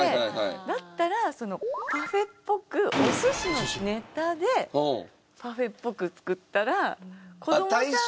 だったらパフェっぽくお寿司のネタでパフェっぽく作ったら子供さんも。